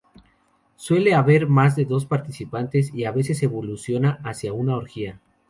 Suele haber más de dos participantes, y a veces evoluciona hacia una orgía.